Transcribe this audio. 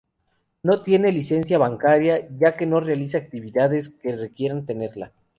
No tiene licencia bancaria, ya que no realiza actividades que requieran tenerla.